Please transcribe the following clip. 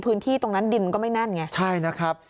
พื้นที่ตรงนั้นดินก็ไม่แน่นไงใช่นะครับ